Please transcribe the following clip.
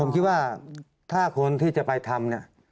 ผมคิดว่าถ้าคนที่จะไปทำเนี่ย